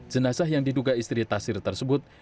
jenazah yang diduga istri tasir tersebut